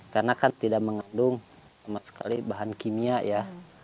karena kan tidak mengandung sama sekali bahan kimia ya